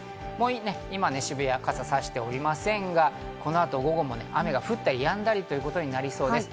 今、渋谷、傘さしておりませんが、このあと午後も雨が降ったりやんだりとなりそうです。